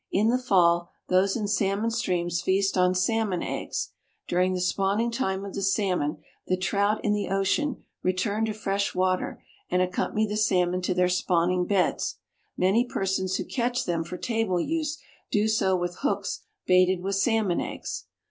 In the fall those in salmon streams feast on salmon eggs. During the spawning time of the salmon the trout in the ocean return to fresh water and accompany the salmon to their spawning beds. Many persons who catch them for table use do so with hooks baited with salmon eggs.